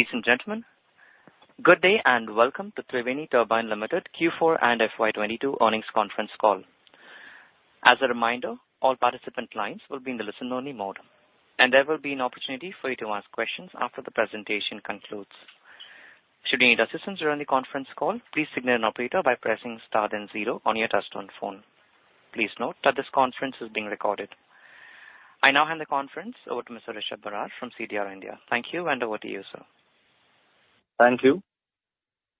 Ladies and gentlemen, good day and welcome to Triveni Turbine Limited Q4 and FY 2022 earnings conference call. As a reminder, all participant lines will be in the listen only mode, and there will be an opportunity for you to ask questions after the presentation concludes. Should you need assistance during the conference call, please signal an operator by pressing star then zero on your touch-tone phone. Please note that this conference is being recorded. I now hand the conference over to Mr. Rishab Barar from CDR India. Thank you, and over to you, sir. Thank you.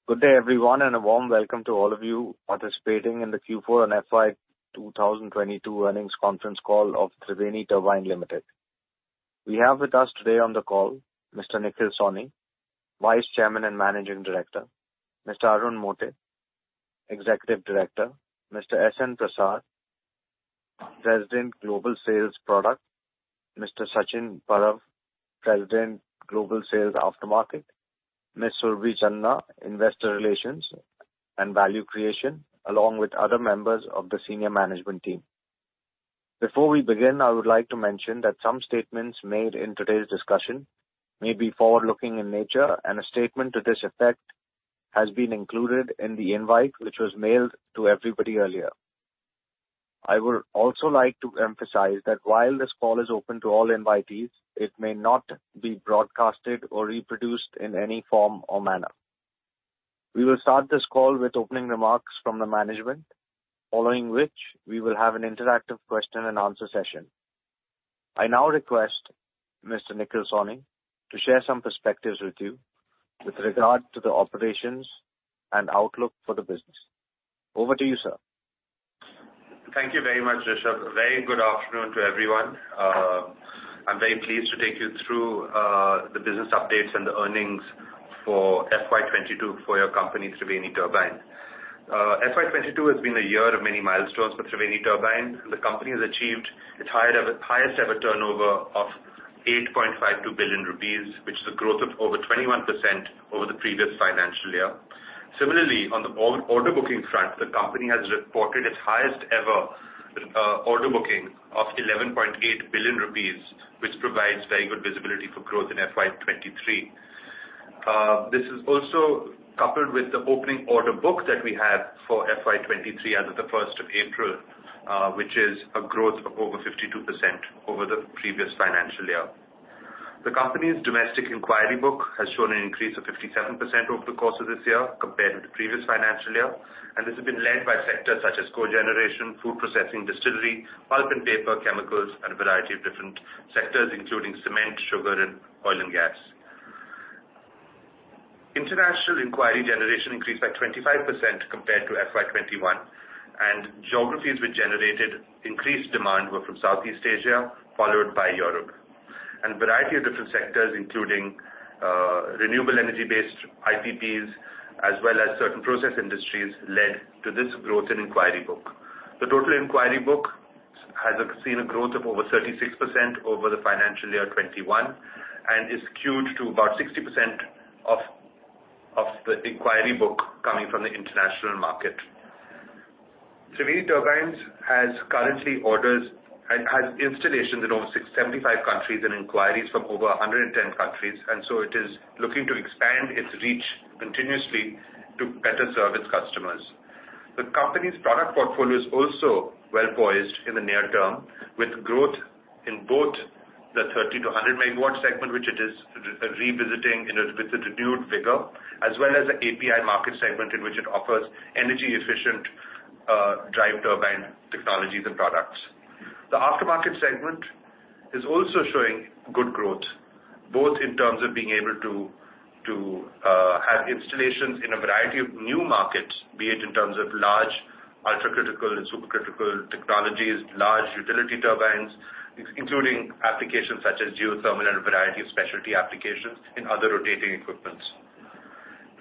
Good day, everyone, and a warm welcome to all of you participating in the Q4 and FY 2022 earnings conference call of Triveni Turbine Limited. We have with us today on the call Mr. Nikhil Sawhney, Vice Chairman and Managing Director. Mr. Arun Mote, Executive Director. Mr. S.N. Prasad, President Global Sales Product. Mr. Sachin Parab, President Global Sales Aftermarket. Ms. Surabhi Chandna, Investor Relations and Value Creation, along with other members of the senior management team. Before we begin, I would like to mention that some statements made in today's discussion may be forward-looking in nature, and a statement to this effect has been included in the invite, which was mailed to everybody earlier. I would also like to emphasize that while this call is open to all invitees, it may not be broadcast or reproduced in any form or manner. We will start this call with opening remarks from the management, following which we will have an interactive question-and-answer session. I now request Mr. Nikhil Sawhney to share some perspectives with you with regard to the operations and outlook for the business. Over to you, sir. Thank you very much, Rishab. A very good afternoon to everyone. I'm very pleased to take you through the business updates and the earnings for FY 2022 for your company, Triveni Turbine. FY 2022 has been a year of many milestones for Triveni Turbine. The company has achieved its highest ever turnover of 8.52 billion rupees, which is a growth of over 21% over the previous financial year. Similarly, on the order booking front, the company has reported its highest ever order booking of 11.8 billion rupees, which provides very good visibility for growth in FY 2023. This is also coupled with the opening order book that we have for FY 2023 as of the first of April, which is a growth of over 52% over the previous financial year. The company's domestic inquiry book has shown an increase of 57% over the course of this year compared to the previous financial year, and this has been led by sectors such as cogeneration, food processing, distillery, pulp and paper, chemicals, and a variety of different sectors, including cement, sugar, and oil and gas. International inquiry generation increased by 25% compared to FY 2021, and geographies which generated increased demand were from Southeast Asia, followed by Europe. A variety of different sectors, including renewable energy-based IPPs, as well as certain process industries, led to this growth in inquiry book. The total inquiry book has seen a growth of over 36% over the financial year 2021 and is queued to about 60% of the inquiry book coming from the international market. Triveni Turbine has current orders and installations in over 67 countries and inquiries from over 110 countries, and so it is looking to expand its reach continuously to better serve its customers. The company's product portfolio is also well-poised in the near term, with growth in both the 30-100 megawatt segment, which it is revisiting with a renewed vigor, as well as the API market segment in which it offers energy efficient drive turbine technologies and products. The aftermarket segment is also showing good growth, both in terms of being able to have installations in a variety of new markets, be it in terms of large ultra-supercritical and supercritical technologies, large utility turbines, including applications such as geothermal and a variety of specialty applications in other rotating equipment.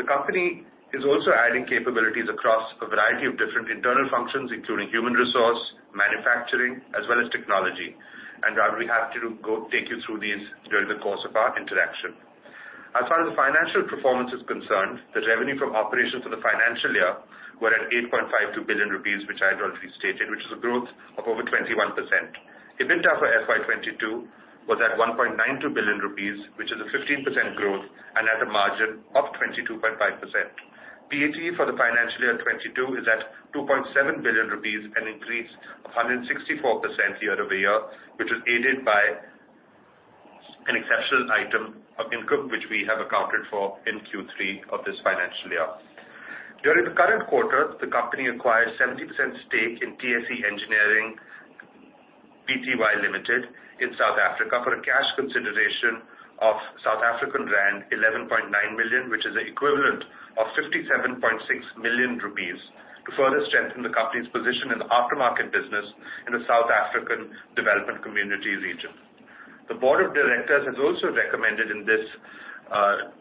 The company is also adding capabilities across a variety of different internal functions, including human resource, manufacturing, as well as technology, and I'll be happy to go take you through these during the course of our interaction. As far as the financial performance is concerned, the revenue from operations for the financial year were at 8.52 billion rupees, which I had already stated, which is a growth of over 21%. EBITDA for FY 2022 was at 1.92 billion rupees, which is a 15% growth, and at a margin of 22.5%. PAT for the financial year 2022 is at 2.7 billion rupees, an increase of 164% year-over-year, which was aided by an exceptional item of income which we have accounted for in Q3 of this financial year. During the current quarter, the company acquired 70% stake in TSE Engineering (Pty) Ltd in South Africa for a cash consideration of South African rand 11.9 million, which is the equivalent of 57.6 million rupees, to further strengthen the company's position in the aftermarket business in the SADC region. The board of directors has also recommended in this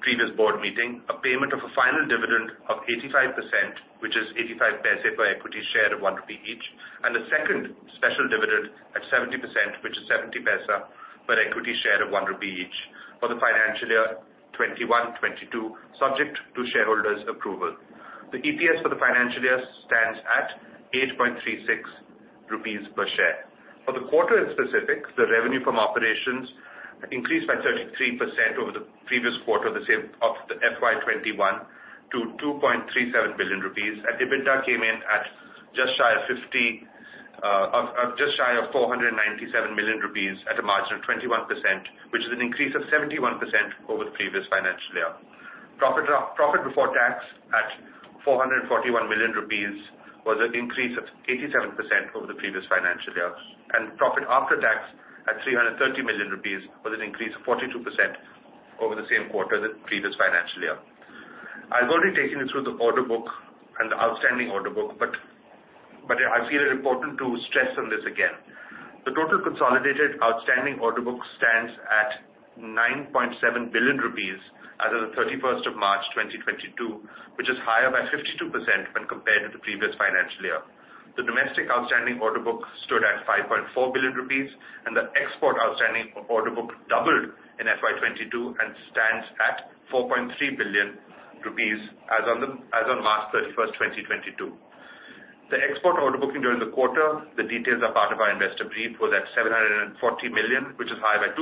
previous board meeting a payment of a final dividend of 85%, which is 85 paise per equity share of 1 rupee each, and a second special dividend at 70%, which is 70 paise per equity share of 1 rupee each for the financial year 2021-22. Subject to shareholders' approval. The EPS for the financial year stands at 8.36 rupees per share. For the quarter specifics, the revenue from operations increased by 33% over the previous quarter, the same of the FY 2021 to 2.37 billion rupees. EBITDA came in at just shy of 497 million rupees at a margin of 21%, which is an increase of 71% over the previous financial year. Profit before tax at 441 million rupees was an increase of 87% over the previous financial year. Profit after tax at 330 million rupees was an increase of 42% over the same quarter the previous financial year. I've already taken you through the order book and the outstanding order book, but I feel it important to stress on this again. The total consolidated outstanding order book stands at 9.7 billion rupees as of March 31, 2022, which is higher by 52% when compared to the previous financial year. The domestic outstanding order book stood at 5.4 billion rupees, and the export outstanding order book doubled in FY 2022 and stands at 4.3 billion rupees as on March 31, 2022. The export order booking during the quarter, the details are part of our investor brief, was at 740 million, which is higher by 2%.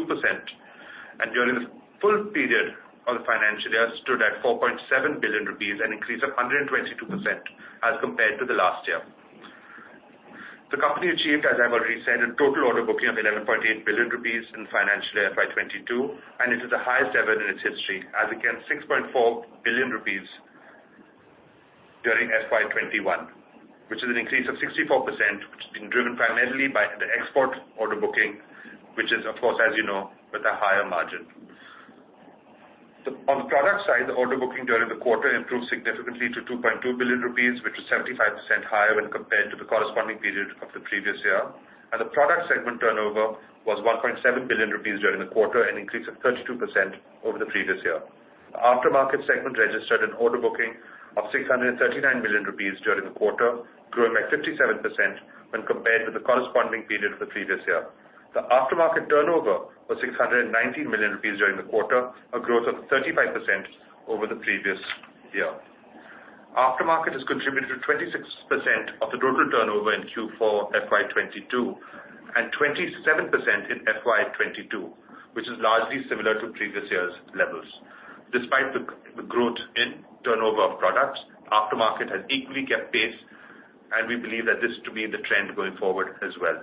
During the full period of the financial year, stood at 4.7 billion rupees, an increase of 122% as compared to the last year. The company achieved, as I've already said, a total order booking of 11.8 billion rupees in financial year FY 2022, and it is the highest ever in its history. As against 6.4 billion rupees during FY 2021, which is an increase of 64%, which has been driven primarily by the export order booking, which is of course, as you know, with a higher margin. On the product side, the order booking during the quarter improved significantly to 2.2 billion rupees, which was 75% higher when compared to the corresponding period of the previous year. The product segment turnover was 1.7 billion rupees during the quarter, an increase of 32% over the previous year. The aftermarket segment registered an order booking of 639 million rupees during the quarter, growing by 57% when compared with the corresponding period of the previous year. The aftermarket turnover was 690 million rupees during the quarter, a growth of 35% over the previous year. Aftermarket has contributed to 26% of the total turnover in Q4 FY 2022 and 27% in FY 2022, which is largely similar to previous years' levels. Despite the growth in turnover of products, aftermarket has equally kept pace, and we believe that this to be the trend going forward as well.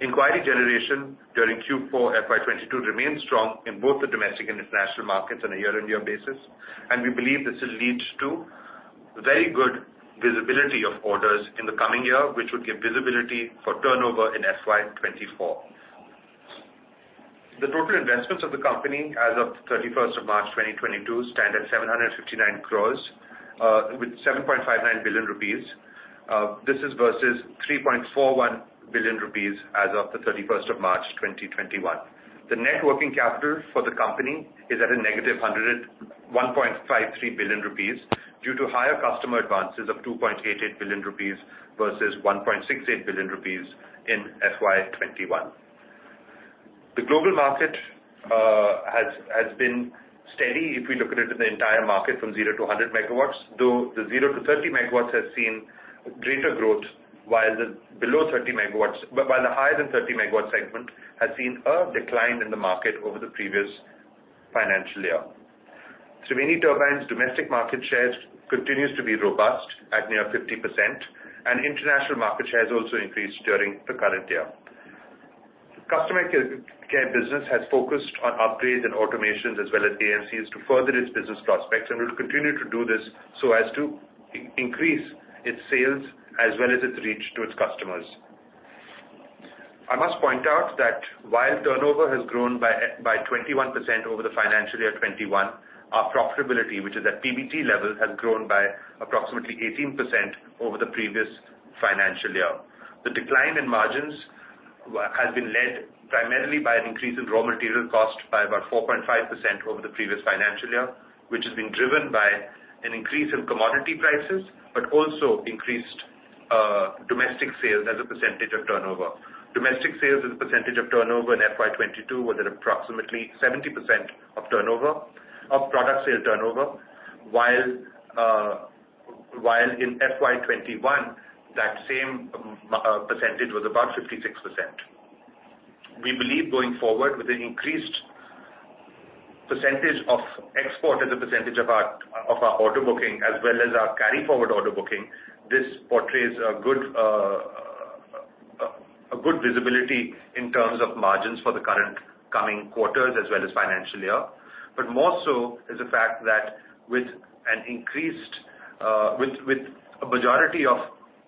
Inquiry generation during Q4 FY 2022 remains strong in both the domestic and international markets on a year-on-year basis, and we believe this will lead to very good visibility of orders in the coming year, which would give visibility for turnover in FY 2024. The total investments of the company as of March 31, 2022 stand at 759 crores, with 7.59 billion rupees. This is versus 3.41 billion rupees as of March 31, 2021. The net working capital for the company is at -101.53 billion rupees due to higher customer advances of 2.8 billion rupees versus 1.68 billion rupees in FY 2021. The global market has been steady if we look at it in the entire market from 0-100 megawatts. Though the 0-30 megawatts has seen greater growth, while the higher than 30 megawatt segment has seen a decline in the market over the previous financial year. Small-mini turbines domestic market share continues to be robust at near 50%, and international market share has also increased during the current year. Customer care business has focused on upgrades and automations as well as AMCs to further its business prospects, and will continue to do this so as to increase its sales as well as its reach to its customers. I must point out that while turnover has grown by 21% over the financial year 2021, our profitability, which is at PBT level, has grown by approximately 18% over the previous financial year. The decline in margins has been led primarily by an increase in raw material cost by about 4.5% over the previous financial year, which has been driven by an increase in commodity prices, but also increased domestic sales as a percentage of turnover. Domestic sales as a percentage of turnover in FY 2022 was at approximately 70% of turnover, of product sales turnover. While in FY 2021, that same percentage was about 56%. We believe going forward with an increased percentage of export as a percentage of our order booking as well as our carry forward order booking, this portrays a good visibility in terms of margins for the current coming quarters as well as financial year. More so is the fact that with a majority of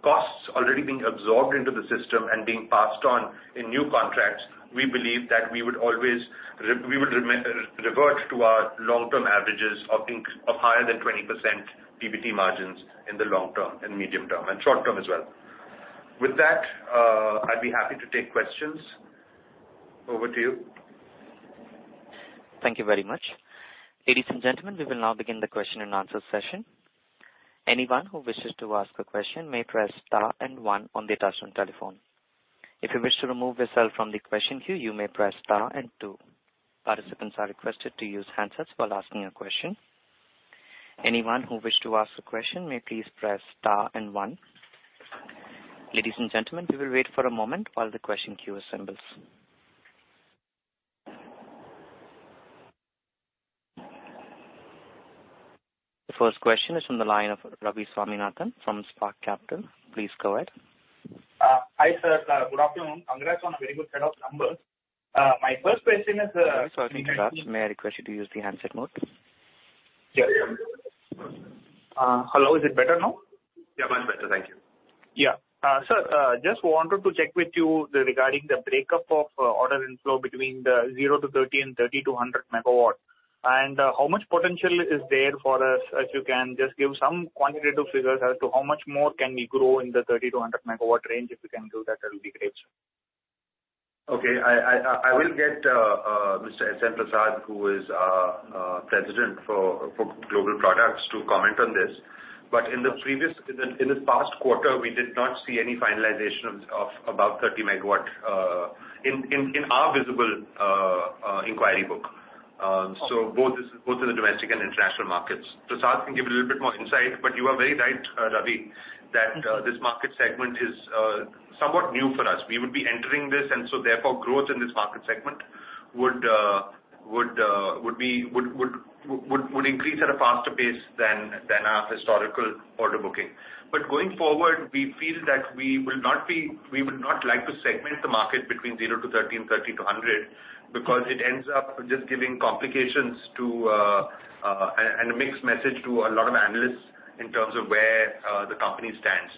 costs already being absorbed into the system and being passed on in new contracts, we believe that we would always revert to our long-term averages of higher than 20% PBT margins in the long term and medium term and short term as well. With that, I'd be happy to take questions. Over to you. Thank you very much. Ladies and gentlemen, we will now begin the question-and-answer session. Anyone who wishes to ask a question may press star and one on the touchtone telephone. If you wish to remove yourself from the question queue, you may press star and two. Participants are requested to use handsets while asking a question. Anyone who wishes to ask a question may please press star and one. Ladies and gentlemen, we will wait for a moment while the question queue assembles. The first question is from the line of Ravi Swaminathan from Spark Capital. Please go ahead. Hi, sir. Good afternoon. Congrats on a very good set of numbers. My first question is Sorry to interrupt. May I request you to use the handset mode? Yeah. Hello, is it better now? Yeah, much better. Thank you. Yeah. Sir, just wanted to check with you regarding the breakup of order inflow between the 0 MW-30 MW and 30 MW-100 MW. How much potential is there for us? If you can just give some quantitative figures as to how much more can we grow in the 30 MW-100 MW range? If you can do that will be great. I will get Mr. S.N. Prasad, who is our President for Global Products to comment on this. In the past quarter, we did not see any finalization of above 30 megawatt in our visible inquiry book. So both in the domestic and international markets. Prasad can give a little bit more insight, but you are very right, Ravi, that this market segment is somewhat new for us. We would be entering this and so therefore growth in this market segment would increase at a faster pace than our historical order booking. Going forward, we feel that we would not like to segment the market between 0 MW-30 MW and 30 MW-100 MW, because it ends up just giving complications to a mixed message to a lot of analysts in terms of where the company stands.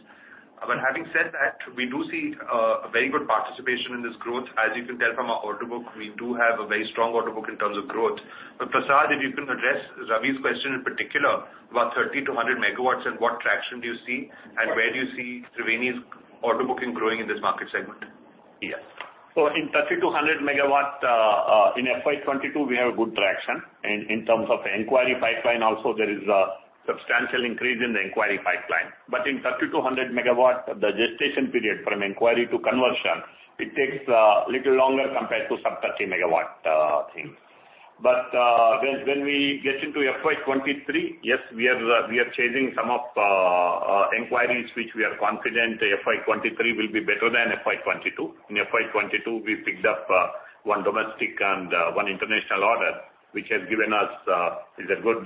Having said that, we do see a very good participation in this growth. As you can tell from our order book, we do have a very strong order book in terms of growth. Prasad, if you can address Ravi's question in particular, about 30-100 megawatts and what traction do you see and where do you see Triveni's order booking growing in this market segment? Yes. In 30-100 megawatt, in FY 2022, we have a good traction. In terms of inquiry pipeline also, there is a substantial increase in the inquiry pipeline. In 30-100 megawatts, the gestation period from inquiry to conversion, it takes little longer compared to sub-30 megawatt thing. When we get into FY 2023, yes, we are chasing some of inquiries, which we are confident FY 2023 will be better than FY 2022. In FY 2022, we picked up one domestic and one international order, which is a good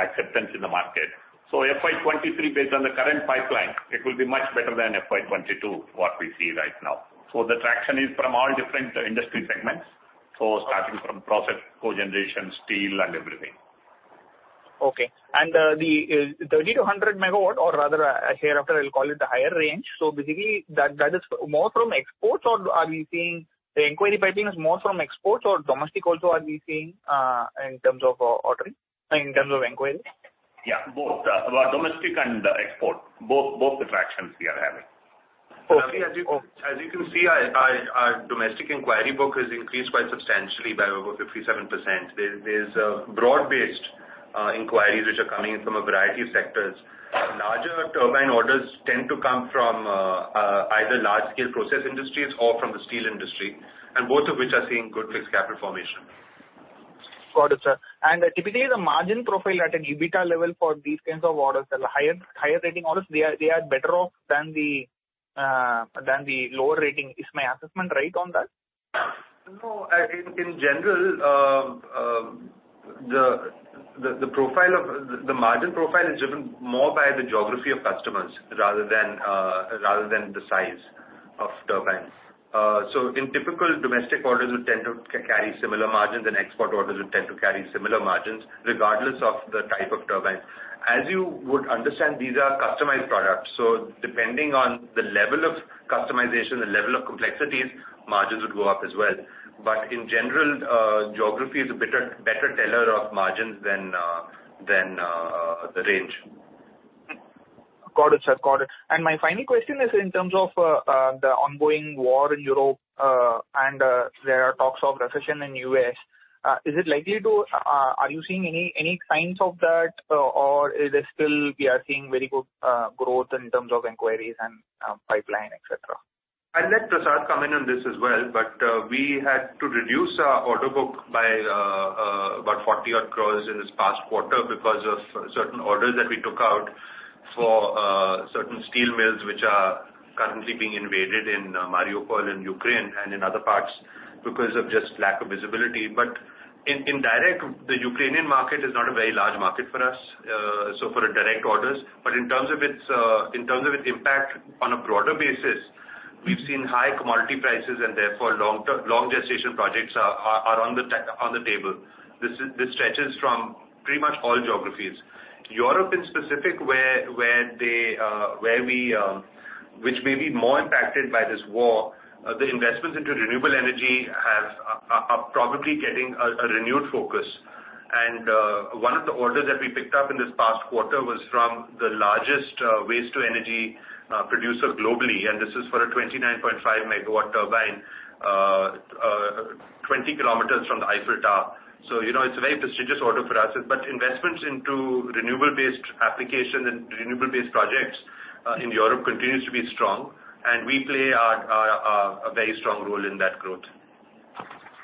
acceptance in the market. FY 2023, based on the current pipeline, it will be much better than FY 2022, what we see right now. The traction is from all different industry segments. Starting from process, cogeneration, steel and everything. Okay. The 30-100 megawatt or rather hereafter I'll call it the higher range. Basically that is more from exports or are we seeing the inquiry piping is more from exports or domestic also are we seeing in terms of ordering, in terms of inquiry? Yeah, both. Both domestic and export, the traction we are having. Okay. Ravi, as you can see our domestic inquiry book has increased quite substantially by over 57%. There's broad-based inquiries which are coming in from a variety of sectors. Larger turbine orders tend to come from either large-scale process industries or from the steel industry, and both of which are seeing good fixed capital formation. Got it, sir. Typically the margin profile at an EBITDA level for these kinds of orders, the higher rating orders, they are better off than the lower rating. Is my assessment right on that? No. In general, the margin profile is driven more by the geography of customers rather than the size of turbines. In typical domestic orders would tend to carry similar margins and export orders would tend to carry similar margins regardless of the type of turbine. As you would understand, these are customized products, so depending on the level of customization, the level of complexities, margins would go up as well. In general, geography is a better teller of margins than the range. Got it, sir. Got it. My final question is in terms of the ongoing war in Europe, and there are talks of recession in U.S., are you seeing any signs of that, or is it still we are seeing very good growth in terms of inquiries and pipeline, et cetera? I'll let S.N. Prasad come in on this as well, but we had to reduce our order book by about 40-odd crore in this past quarter because of certain orders that we took out for certain steel mills, which are currently being invaded in Mariupol in Ukraine and in other parts because of just lack of visibility. Directly, the Ukrainian market is not a very large market for us, so for direct orders. In terms of its impact on a broader basis, we've seen high commodity prices and therefore long gestation projects are on the table. This stretches from pretty much all geographies. Europe in specific, which may be more impacted by this war, the investments into renewable energy are probably getting a renewed focus. One of the orders that we picked up in this past quarter was from the largest waste-to-energy producer globally. This is for a 29.5 MW turbine, 20 km from the Eiffel Tower. You know, it's a very prestigious order for us. Investments into renewable based application and renewable based projects in Europe continues to be strong, and we play a very strong role in that growth.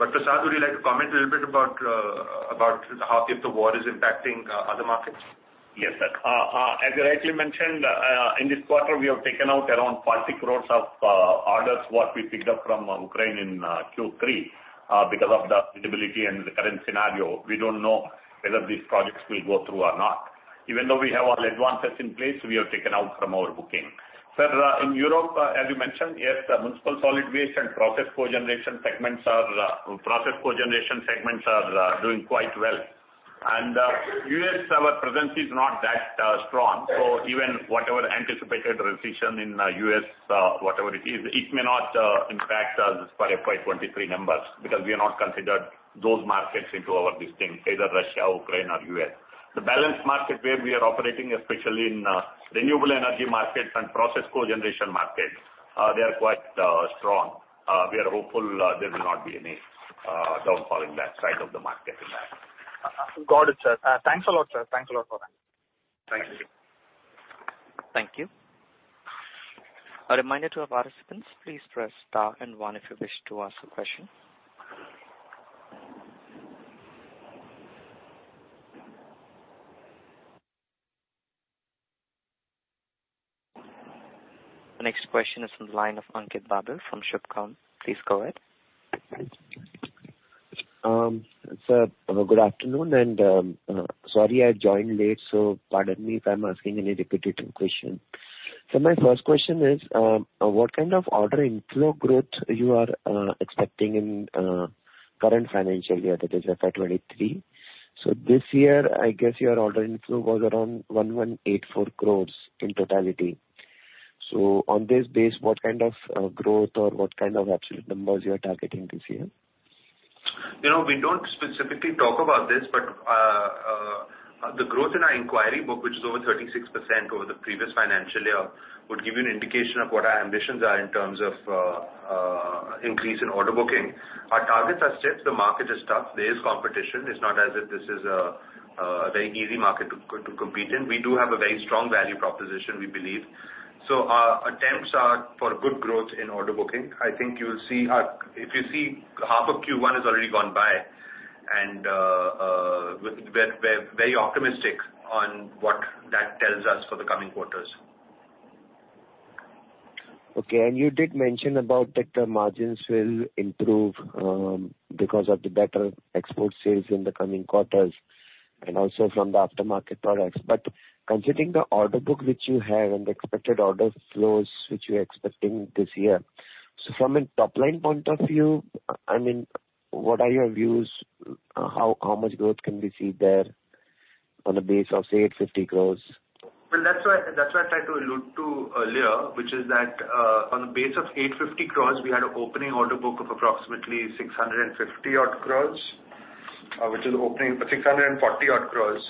Prasad, would you like to comment a little bit about how, if the war is impacting other markets? Yes, sir. As you rightly mentioned, in this quarter, we have taken out around 40 crore of orders, what we picked up from Ukraine in Q3, because of the visibility and the current scenario. We don't know whether these projects will go through or not. Even though we have all advances in place, we have taken out from our booking. Sir, in Europe, as you mentioned, yes, the municipal solid waste and process cogeneration segments are doing quite well. U.S., our presence is not that strong. So even whatever anticipated recession in U.S., whatever it is, it may not impact us for FY 2023 numbers. We have not considered those markets into our listing, either Russia, Ukraine or U.S. The balanced market where we are operating, especially in renewable energy markets and process cogeneration markets, they are quite strong. We are hopeful there will not be any downfall in that side of the market in that. Got it, sir. Thanks a lot, sir. Thanks a lot for that. Thank you. Thank you. A reminder to our participants, please press star and one if you wish to ask a question. The next question is from the line of Ankit Babel from Shubhkam. Please go ahead. Good afternoon. Sorry I joined late, so pardon me if I'm asking any repetitive question. My first question is, what kind of order inflow growth you are expecting in current financial year, that is FY 2023. This year, I guess your order inflow was around 1,184 crores in totality. On this base, what kind of growth or what kind of absolute numbers you are targeting this year? You know, we don't specifically talk about this, but the growth in our inquiry book, which is over 36% over the previous financial year, would give you an indication of what our ambitions are in terms of increase in order booking. Our targets are set. The market is tough. There is competition. It's not as if this is a very easy market to compete in. We do have a very strong value proposition, we believe. Our attempts are for good growth in order booking. I think you'll see. If you see, half of Q1 has already gone by and we're very optimistic on what that tells us for the coming quarters. Okay. You did mention about that the margins will improve because of the better export sales in the coming quarters and also from the aftermarket products. Considering the order book which you have and the expected order flows which you're expecting this year, from a top-line point of view, I mean, what are your views? How much growth can we see there on the base of, say, 80 crores? Well, that's why I tried to allude to earlier, which is that on the base of 850 crores, we had an opening order book of approximately 650 odd crores, which is opening of 640 odd crores.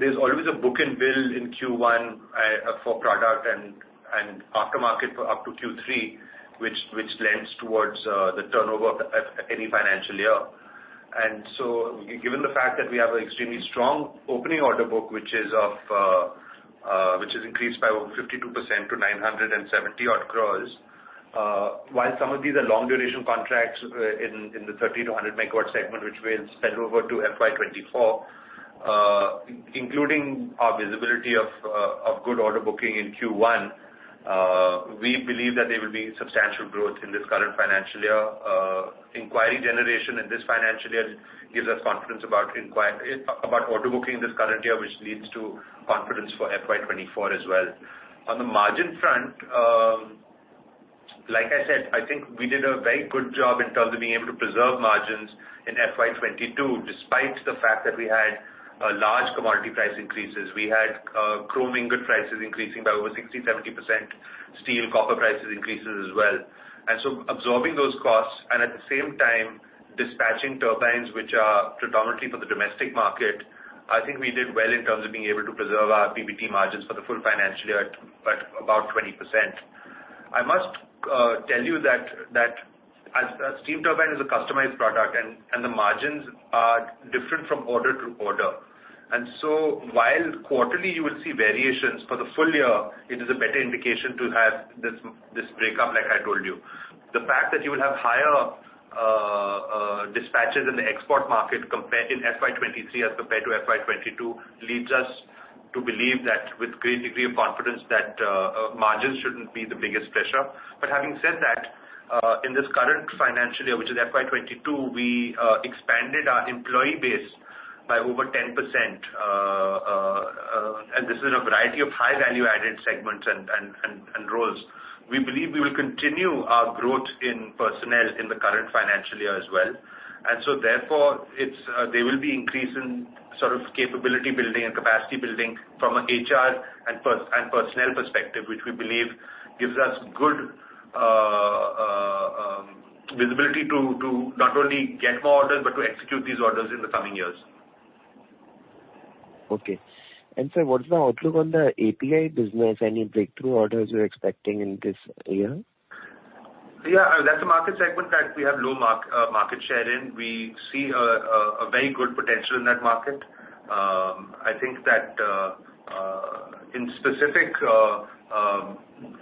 There's always a book and build in Q1 for product and aftermarket for up to Q3, which lends towards the turnover of any financial year. Given the fact that we have an extremely strong opening order book, which has increased by over 52% to 970-odd crores. While some of these are long duration contracts in the 30-100 megawatt segment, which will spill over to FY 2024, including our visibility of good order booking in Q1, we believe that there will be substantial growth in this current financial year. Inquiry generation in this financial year gives us confidence about order booking this current year, which leads to confidence for FY 2024 as well. On the margin front, like I said, I think we did a very good job in terms of being able to preserve margins in FY 2022, despite the fact that we had large commodity price increases. We had chrome ingot prices increasing by over 60%-70%. Steel, copper prices increases as well. Absorbing those costs and at the same time dispatching turbines, which are predominantly for the domestic market, I think we did well in terms of being able to preserve our PBT margins for the full financial year at about 20%. I must tell you that as a steam turbine is a customized product and the margins are different from order to order. While quarterly you will see variations, for the full year, it is a better indication to have this break up like I told you. The fact that you will have higher dispatches in the export market compared in FY 2023 as compared to FY 2022, leads us to believe that with great degree of confidence, that margins shouldn't be the biggest pressure. Having said that, in this current financial year, which is FY 2022, we expanded our employee base by over 10%. And this is in a variety of high value added segments and roles. We believe we will continue our growth in personnel in the current financial year as well. Therefore, there will be increase in sort of capability building and capacity building from an HR and personnel perspective, which we believe gives us good visibility to not only get more orders, but to execute these orders in the coming years. Okay. Sir, what is the outlook on the API business? Any breakthrough orders you're expecting in this year? Yeah, that's a market segment that we have low market share in. We see a very good potential in that market. I think that specifically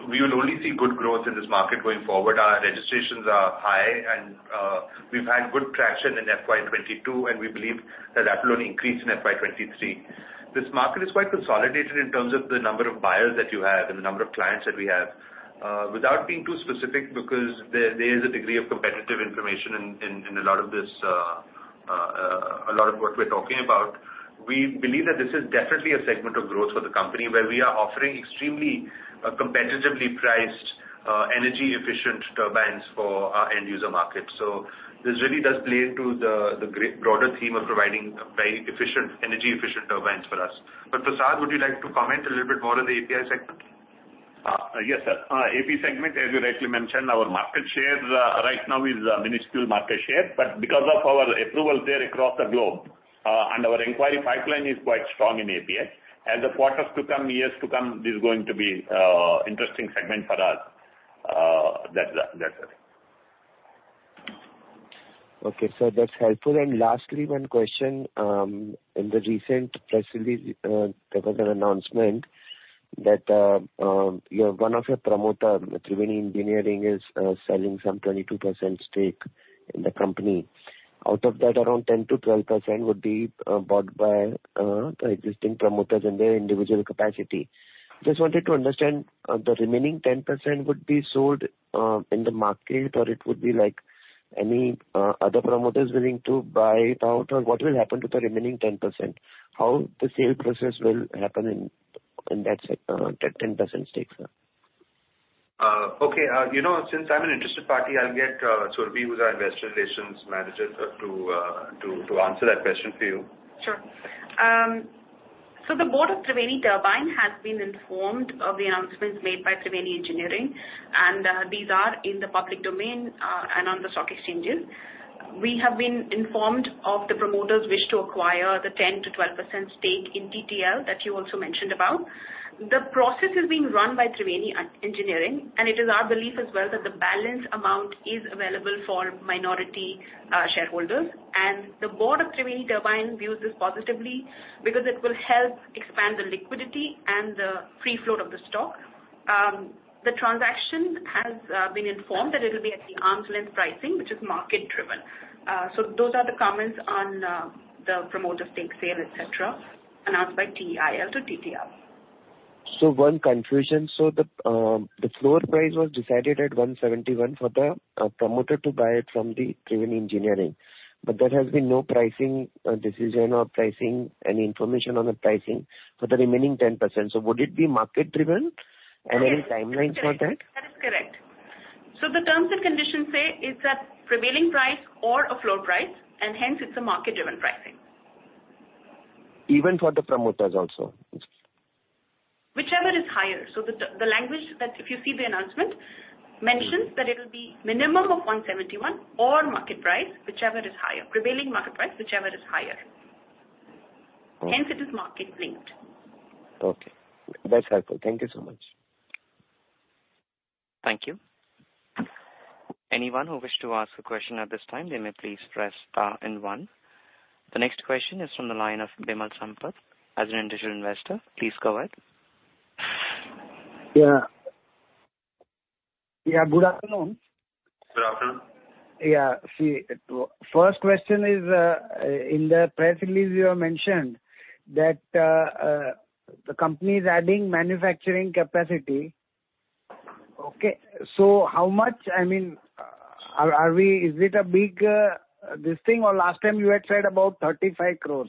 we will only see good growth in this market going forward. Our registrations are high and we've had good traction in FY 2022, and we believe that that will only increase in FY 2023. This market is quite consolidated in terms of the number of buyers that you have and the number of clients that we have. Without being too specific because there is a degree of competitive information in a lot of this, a lot of what we're talking about, we believe that this is definitely a segment of growth for the company where we are offering extremely competitively priced, energy efficient turbines for our end user market. This really does play into the broader theme of providing very efficient, energy efficient turbines for us. Prasad, would you like to comment a little bit more on the API segment? Yes, sir. API segment, as you rightly mentioned, our market share right now is a minuscule market share. Because of our approvals there across the globe, and our inquiry pipeline is quite strong in API. As the quarters to come, years to come, this is going to be a interesting segment for us, that's it. Okay, that's helpful. Lastly, one question, in the recent press release, there was an announcement that one of your promoter, Triveni Engineering, is selling some 22% stake in the company. Out of that, around 10%-12% would be bought by the existing promoters in their individual capacity. Just wanted to understand, the remaining 10% would be sold in the market, or it would be like any other promoters willing to buy it out, or what will happen to the remaining 10%? How the sale process will happen in that 10% stake, sir. Okay. You know, since I'm an interested party, I'll get Surabhi, who's our Investor Relations Manager, to answer that question for you. Sure. The board of Triveni Turbine has been informed of the announcements made by Triveni Engineering, and these are in the public domain and on the stock exchanges. We have been informed of the promoters' wish to acquire the 10%-12% stake in TTL that you also mentioned about. The process is being run by Triveni Engineering, and it is our belief as well that the balance amount is available for minority shareholders. The board of Triveni Turbine views this positively because it will help expand the liquidity and the free flow of the stock. The transaction has been informed that it'll be at the arm's length pricing, which is market driven. Those are the comments on the promoter stake sale, et cetera, announced by TEL to TTL. One confusion. The floor price was decided at 171 for the promoter to buy it from the Triveni Engineering. But there has been no pricing decision or any information on the pricing for the remaining 10%. Would it be market driven? Yes. Any timelines for that? That's correct. The terms and conditions say it's at prevailing price or a floor price, and hence it's a market-driven pricing. Even for the promoters also? Whichever is higher. The language that if you see the announcement mentions that it'll be minimum of 171 or market price, whichever is higher. Prevailing market price, whichever is higher. Okay. Hence it is market linked. Okay. That's helpful. Thank you so much. Thank you. Anyone who wish to ask a question at this time, they may please press star and one. The next question is from the line of Bimal Sampath. As an individual investor, please go ahead. Yeah. Yeah, good afternoon. Good afternoon. Yeah. See, first question is, in the press release you have mentioned that, the company is adding manufacturing capacity. Okay. How much, I mean, are we, is it a big, this thing? Last time you had said about 35 crore.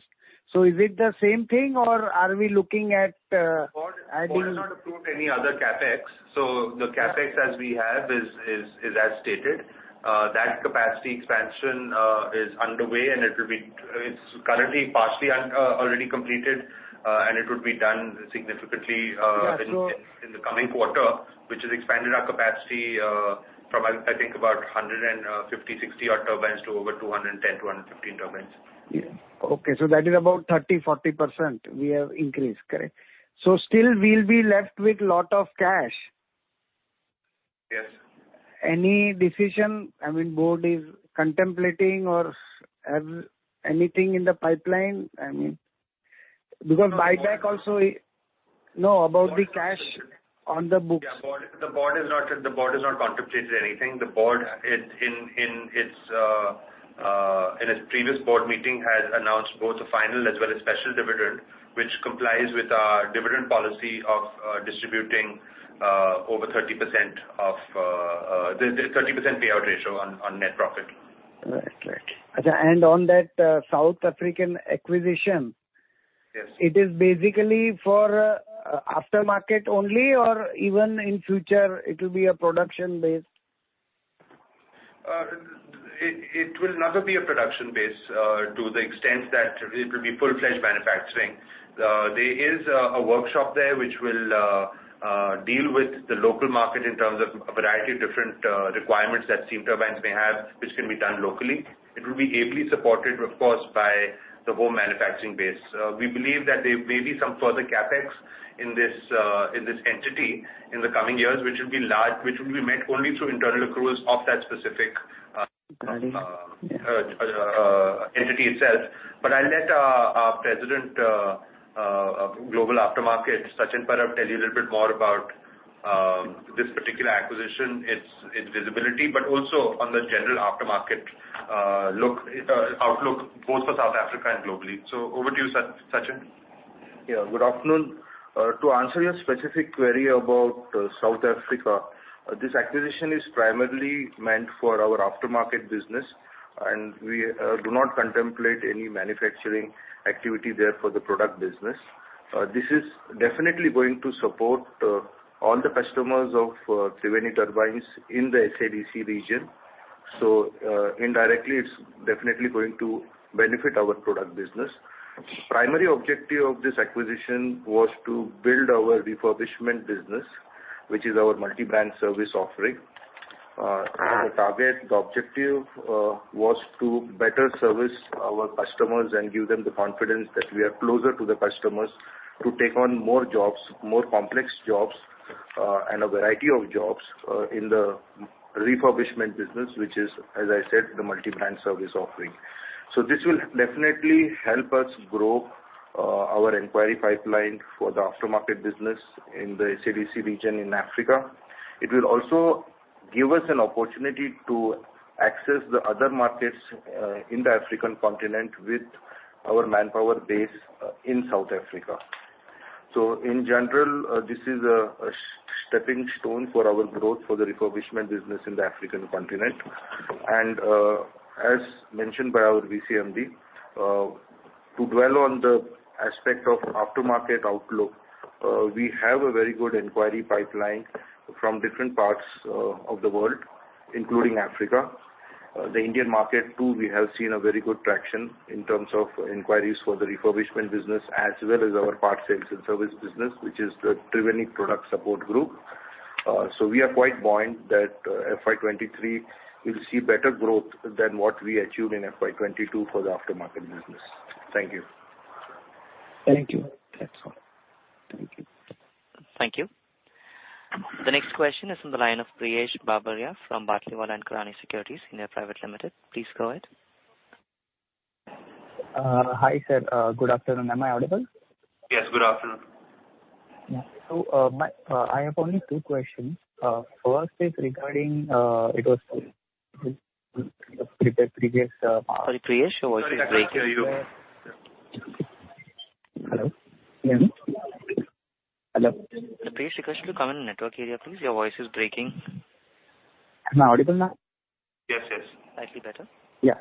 Is it the same thing or are we looking at, adding- Board has not approved any other CapEx. The CapEx as we have is as stated. That capacity expansion is underway and it will be already completed, and it would be done significantly. Yeah. In the coming quarter, which has expanded our capacity from, I think, about 150-160-odd turbines to over 210-215 turbines. Yeah. Okay. That is about 30%-40% we have increased, correct? Still we'll be left with lot of cash. Yes. Any decision, I mean, board is contemplating or have anything in the pipeline? I mean, because buyback also. No No, about the cash. Board has On the books. Yeah. The board has not contemplated anything. The board in its previous board meeting has announced both the final as well as special dividend, which complies with our dividend policy of distributing the 30% payout ratio on net profit. Right. On that, South African acquisition- Yes ... it is basically for aftermarket only, or even in future it will be a production base? It will not only be a production base, to the extent that it will be full-fledged manufacturing. There is a workshop there which will deal with the local market in terms of a variety of different requirements that steam turbines may have, which can be done locally. It will be ably supported, of course, by the home manufacturing base. We believe that there may be some further CapEx in this entity in the coming years, which will be large, which will be met only through internal accruals of that specific entity itself. I'll let our President, Global - Aftermarket, Sachin Parab, tell you a little bit more about this particular acquisition, its visibility, but also on the general aftermarket outlook both for South Africa and globally. Over to you, Sachin. Yeah. Good afternoon. To answer your specific query about South Africa, this acquisition is primarily meant for our aftermarket business, and we do not contemplate any manufacturing activity there for the product business. This is definitely going to support all the customers of Triveni Turbine in the SADC region. Indirectly, it's definitely going to benefit our product business. Primary objective of this acquisition was to build our refurbishment business, which is our multi-brand service offering. The target, the objective, was to better service our customers and give them the confidence that we are closer to the customers to take on more jobs, more complex jobs, and a variety of jobs in the refurbishment business, which is, as I said, the multi-brand service offering. This will definitely help us grow our inquiry pipeline for the aftermarket business in the SADC region in Africa. It will also give us an opportunity to access the other markets in the African continent with our manpower base in South Africa. In general, this is a stepping stone for our growth for the refurbishment business in the African continent. As mentioned by our VCMD, to dwell on the aspect of aftermarket outlook, we have a very good inquiry pipeline from different parts of the world, including Africa. The Indian market too, we have seen a very good traction in terms of inquiries for the refurbishment business as well as our parts sales and service business, which is the Triveni Product Support Group. We are quite buoyant that FY 2023 will see better growth than what we achieved in FY 2022 for the aftermarket business. Thank you. Thank you. That's all. Thank you. Thank you. The next question is from the line of Priyesh Babaria from Batlivala & Karani Securities India Private Limited. Please go ahead. Hi, sir. Good afternoon. Am I audible? Yes, good afternoon. I have only two questions. First is regarding, it was the previous. Sorry, Priyesh, your voice is breaking. Hello? Hello? Priyesh, request you to come in the network area, please. Your voice is breaking. Am I audible now? Yes, yes. Slightly better. Yeah.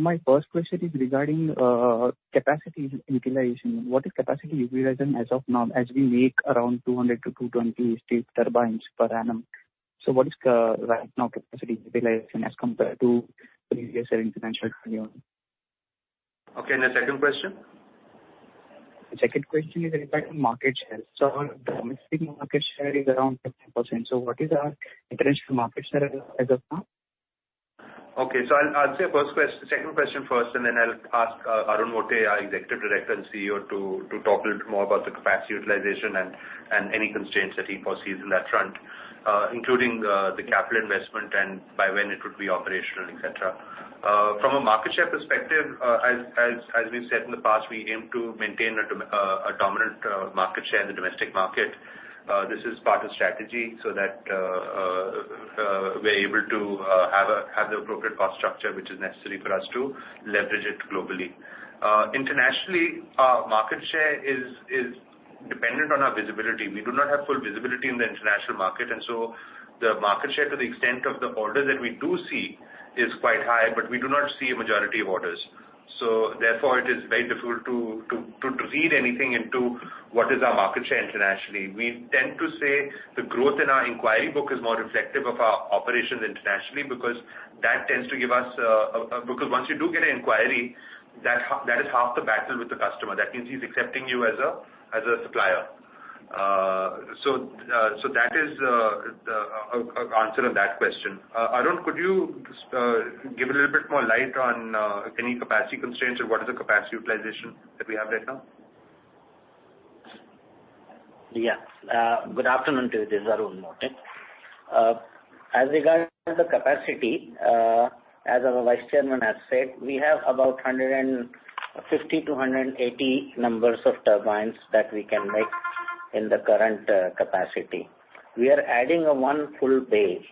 My first question is regarding capacity utilization. What is capacity utilization as of now, as we make around 200-220 steam turbines per annum. What is the current capacity utilization as compared to previous year in financial year? Okay, the second question. The second question is regarding market share. The domestic market share is around 50%. What is our international market share as of now? Okay. I'll say second question first, and then I'll ask Arun Mote, our Executive Director and CEO, to talk a little more about the capacity utilization and any constraints that he foresees in that front, including the capital investment and by when it would be operational, et cetera. From a market share perspective, as we said in the past, we aim to maintain a dominant market share in the domestic market. This is part of strategy so that we're able to have the appropriate cost structure, which is necessary for us to leverage it globally. Internationally, our market share is dependent on our visibility. We do not have full visibility in the international market, and so the market share to the extent of the order that we do see is quite high, but we do not see a majority of orders. Therefore, it is very difficult to read anything into what is our market share internationally. We tend to say the growth in our inquiry book is more reflective of our operations internationally because that tends to give us. Because once you do get an inquiry, that is half the battle with the customer. That means he's accepting you as a supplier. So that is the answer to that question. Arun, could you give a little bit more light on any capacity constraints or what is the capacity utilization that we have right now? Good afternoon to you. This is Arun Mote. As regards to the capacity, as our vice chairman has said, we have about 150-180 numbers of turbines that we can make in the current capacity. We are adding one full bay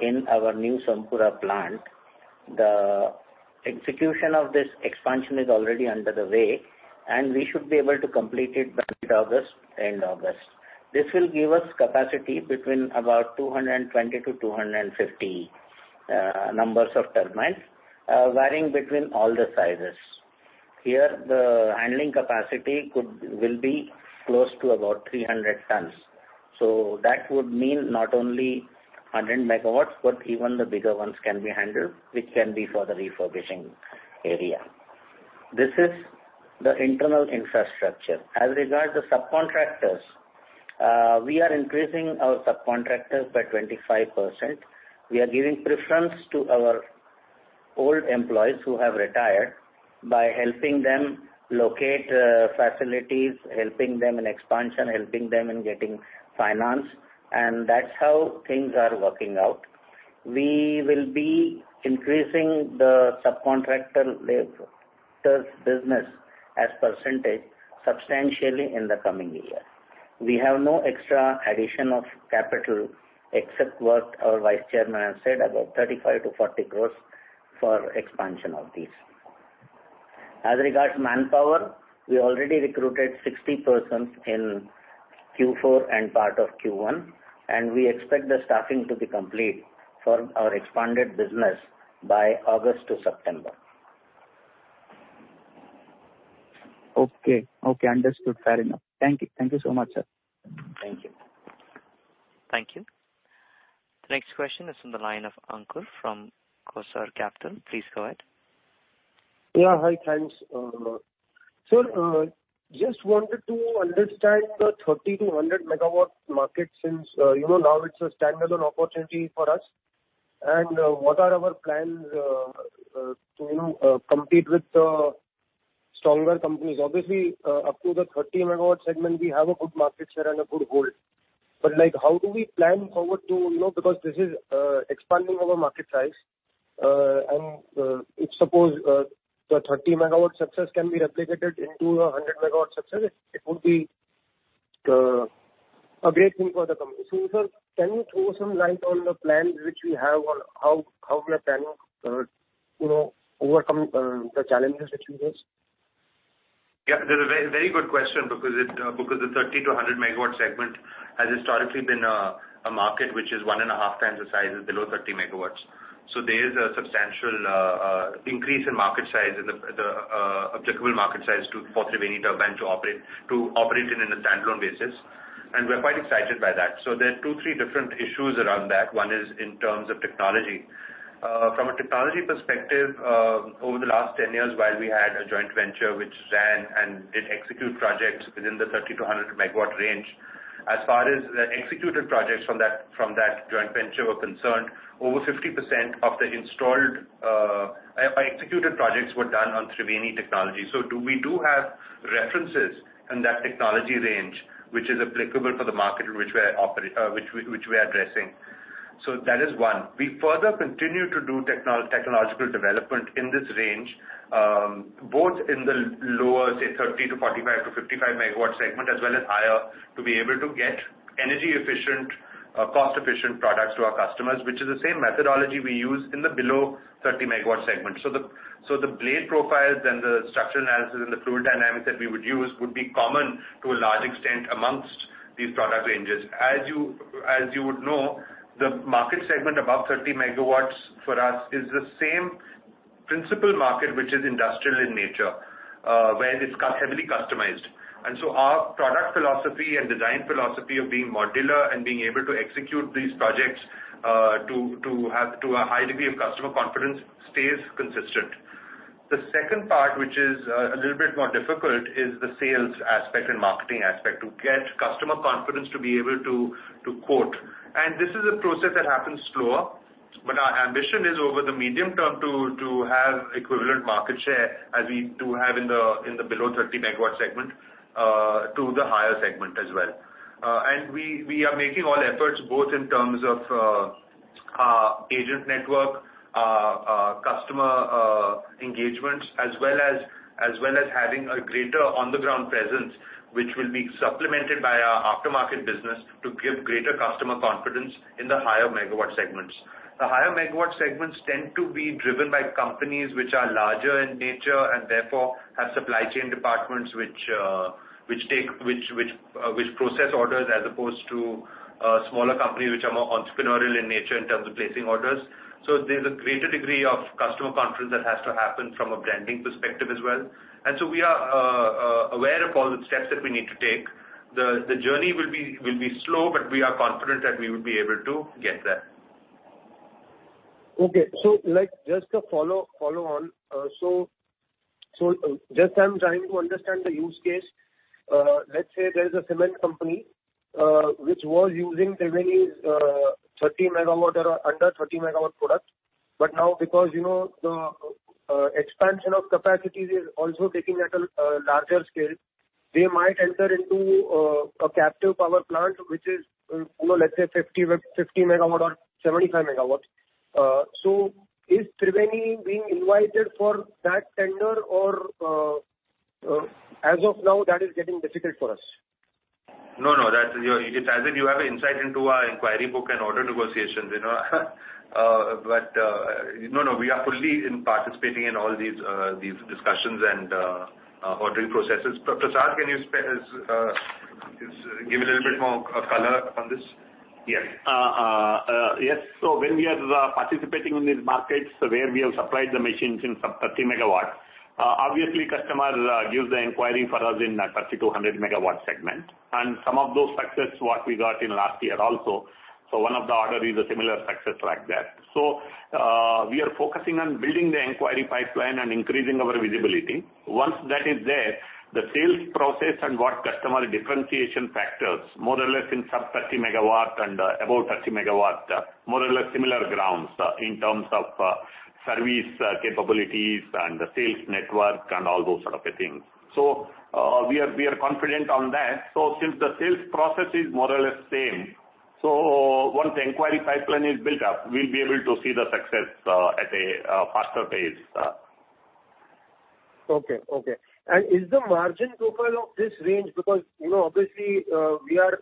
in our new Sompura plant. The execution of this expansion is already under way, and we should be able to complete it by mid-August, end August. This will give us capacity between about 220-250 numbers of turbines, varying between all the sizes. Here, the handling capacity will be close to about 300 tons. So that would mean not only 100 megawatts, but even the bigger ones can be handled, which can be for the refurbishing area. This is the internal infrastructure. As regards subcontractors, we are increasing our subcontractors by 25%. We are giving preference to our Old employees who have retired by helping them locate facilities, helping them in expansion, helping them in getting finance, and that's how things are working out. We will be increasing the subcontractor laborers business as percentage substantially in the coming year. We have no extra addition of capital except what our Vice Chairman has said, about 35-40 crores for expansion of these. As regards to manpower, we already recruited 60 persons in Q4 and part of Q1, and we expect the staffing to be complete for our expanded business by August to September. Okay. Okay, understood. Fair enough. Thank you. Thank you so much, sir. Thank you. Thank you. The next question is from the line of Ankur from Kosal Capital. Please go ahead. Yeah. Hi, thanks. Sir, just wanted to understand the 1,300 MW market since, you know, now it's a standalone opportunity for us. What are our plans to, you know, compete with stronger companies? Obviously, up to the 30 MW segment, we have a good market share and a good hold. Like, how do we plan forward? You know, because this is expanding our market size. If suppose, the 30 MW success can be replicated into a 100 MW success, it would be a great thing for the company. Sir, can you throw some light on the plans which we have on how we are planning, you know, overcome the challenges that you face? Yeah, that's a very, very good question because the 30-100 megawatt segment has historically been a market which is 1.5x the size of below 30 megawatts. There is a substantial increase in market size in the applicable market size for Triveni to enter to operate in a standalone basis. We're quite excited by that. There are two or three different issues around that. One is in terms of technology. From a technology perspective, over the last 10 years, while we had a joint venture which ran and did execute projects within the 30-100 megawatt range, as far as the executed projects from that joint venture were concerned, over 50% of the installed executed projects were done on Triveni technology. We do have references in that technology range, which is applicable for the market in which we operate, which we are addressing. That is one. We further continue to do technological development in this range, both in the lower, say, 30-45-55 megawatt segment, as well as higher, to be able to get energy efficient, cost efficient products to our customers, which is the same methodology we use in the below 30 megawatt segment. The blade profiles and the structural analysis and the fluid dynamics that we would use would be common to a large extent amongst these product ranges. As you would know, the market segment above 30 megawatts for us is the same principal market, which is industrial in nature, where it is heavily customized. Our product philosophy and design philosophy of being modular and being able to execute these projects to a high degree of customer confidence stays consistent. The second part, which is a little bit more difficult, is the sales aspect and marketing aspect to get customer confidence to be able to quote. This is a process that happens slower, but our ambition is over the medium term to have equivalent market share as we do have in the below 30-megawatt segment to the higher segment as well. We are making all efforts both in terms of our agent network, customer engagement, as well as having a greater on the ground presence, which will be supplemented by our aftermarket business to give greater customer confidence in the higher megawatt segments. The higher megawatt segments tend to be driven by companies which are larger in nature and therefore have supply chain departments which process orders as opposed to smaller companies which are more entrepreneurial in nature in terms of placing orders. There's a greater degree of customer confidence that has to happen from a branding perspective as well. We are aware of all the steps that we need to take. The journey will be slow, but we are confident that we would be able to get there. Like, just a follow on. So just I'm trying to understand the use case. Let's say there is a cement company, which was using Triveni's, 30-megawatt or under 30-megawatt product. Now because, you know, the expansion of capacities is also taking place at a larger scale, they might enter into a captive power plant, which is, you know, let's say 50 megawatt or 75 megawatts. Is Triveni being invited for that tender? Or, as of now, that is getting difficult for us? No, no, that's yours. It's as if you have an insight into our inquiry book and order negotiations, you know? No, no, we are fully participating in all these discussions and ordering processes. S.N. Prasad, can you give a little bit more color on this? Yes. When we are participating in these markets where we have supplied the machines in sub-30 megawatts, obviously customer gives the inquiry for us in that 30-100 megawatt segment. Some of those success what we got in last year also. One of the order is a similar success like that. We are focusing on building the inquiry pipeline and increasing our visibility. Once that is there, the sales process and what customer differentiation factors more or less in sub-30 megawatt and above 30 megawatt more or less similar grounds in terms of. Service capabilities and the sales network and all those sort of things. We are confident on that. Since the sales process is more or less same, once the inquiry pipeline is built up, we'll be able to see the success at a faster pace. Okay. Okay. Is the margin profile of this range, because, you know, obviously, we are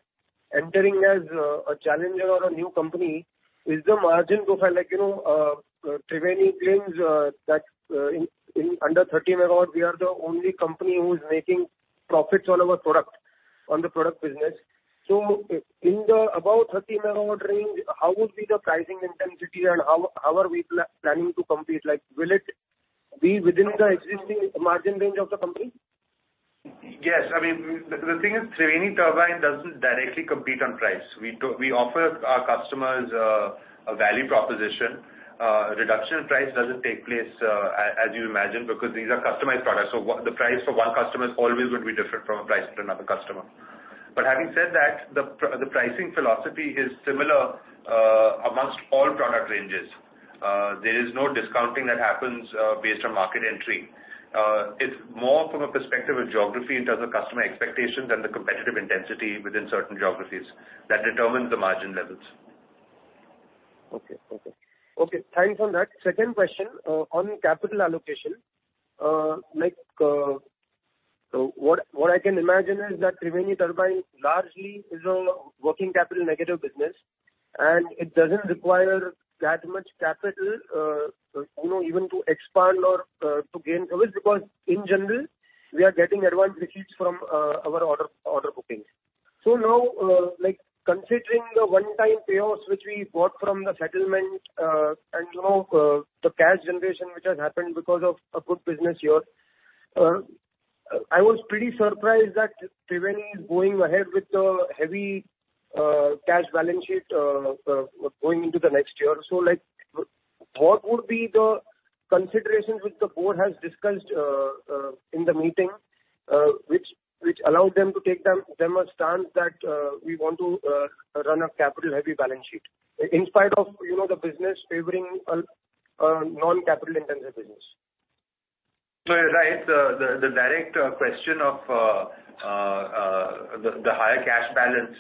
entering as a challenger or a new company, is the margin profile like, you know, Triveni claims, that, in under 30 megawatt, we are the only company who is making profits on our product, on the product business. So in the above 30 megawatt range, how will be the pricing intensity and how are we planning to compete? Like, will it be within the existing margin range of the company? Yes. I mean, the thing is, Triveni Turbine doesn't directly compete on price. We offer our customers a value proposition. Reduction in price doesn't take place as you imagine, because these are customized products. The price for one customer is always going to be different from a price to another customer. Having said that, the pricing philosophy is similar among all product ranges. There is no discounting that happens based on market entry. It's more from a perspective of geography in terms of customer expectations and the competitive intensity within certain geographies that determines the margin levels. Okay, thanks on that. Second question on capital allocation. Like, what I can imagine is that Triveni Turbine largely is a working capital negative business, and it doesn't require that much capital, you know, even to expand or to gain service, because in general, we are getting advance receipts from our order bookings. Now, like, considering the one-time payoffs which we got from the settlement, and, you know, the cash generation which has happened because of a good business year, I was pretty surprised that Triveni is going ahead with a heavy cash balance sheet going into the next year. Like, what would be the considerations which the board has discussed in the meeting, which allowed them to take a stance that we want to run a capital heavy balance sheet in spite of, you know, the business favoring a non-capital intensive business. You're right. The direct question of the higher cash balance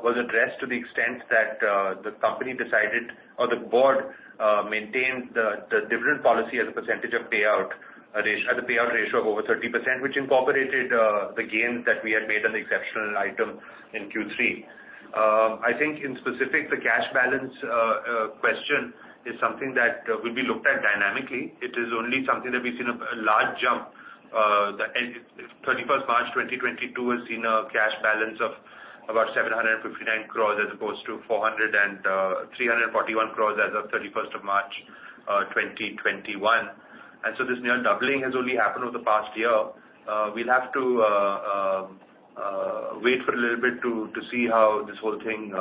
was addressed to the extent that the company decided or the board maintained the dividend policy as a percentage of payout ratio, the payout ratio of over 30%, which incorporated the gains that we had made on the exceptional item in Q3. I think specifically, the cash balance question is something that will be looked at dynamically. It is only something that we've seen a large jump. 31st March 2022 has seen a cash balance of about 759 crores as opposed to 341 crores as of 31st March 2021. This near doubling has only happened over the past year. We'll have to wait for a little bit to see how this whole thing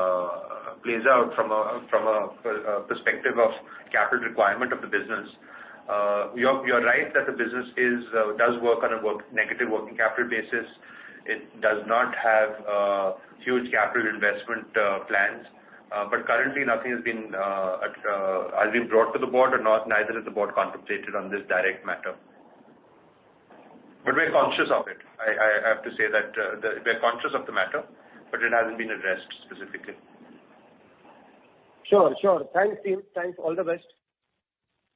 plays out from a perspective of capital requirement of the business. You're right that the business does work on a negative working capital basis. It does not have huge capital investment plans. Currently nothing has been brought to the board and neither has the board contemplated on this direct matter. We're conscious of it. I have to say that we're conscious of the matter, but it hasn't been addressed specifically. Sure. Thanks, team. All the best.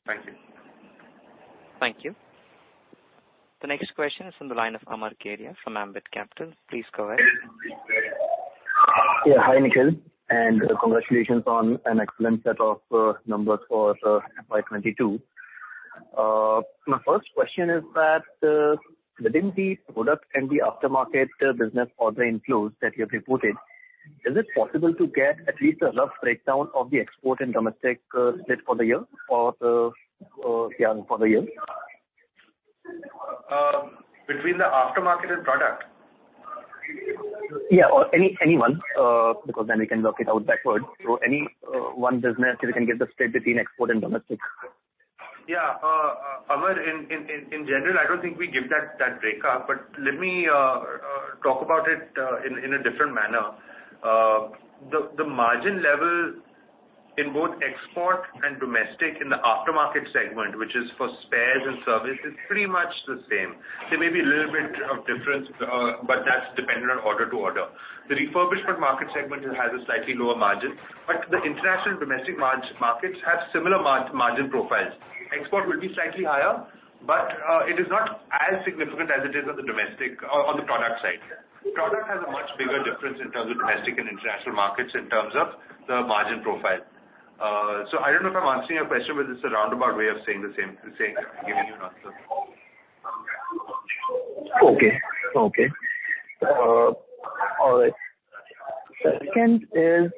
Thank you. Thank you. The next question is from the line of Amar Kedia from Ambit Capital. Please go ahead. Yeah, hi, Nikhil, and congratulations on an excellent set of numbers for FY 2022. My first question is that within the product and the aftermarket business order inflows that you have reported, is it possible to get at least a rough breakdown of the export and domestic split for the year or yeah, for the year? Between the aftermarket and product? Yeah, or any one, because then we can work it out backward. Any one business, if you can give the split between export and domestic. Yeah. Amar, in general, I don't think we give that breakup, but let me talk about it in a different manner. The margin level in both export and domestic in the aftermarket segment, which is for spares and service, is pretty much the same. There may be a little bit of difference, but that's dependent on order to order. The refurbishment market segment has a slightly lower margin, but the international domestic markets have similar margin profiles. Export will be slightly higher, but it is not as significant as it is on the domestic or on the product side. Product has a much bigger difference in terms of domestic and international markets in terms of the margin profile. I don't know if I'm answering your question, but it's a roundabout way of saying the same, giving you an answer. Okay. All right. Second is,